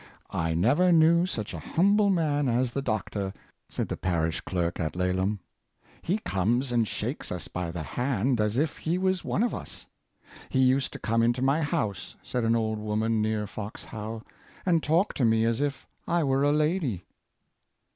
" I never knew such a humble man as the doctor," said the parish clerk at Laleham; "he comes and shakes us by the hand as if he was one of us." " He used to come into my house," said an old woman near Fox How, '' and talk to me as if I were a lady."